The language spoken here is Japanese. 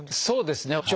そうですね。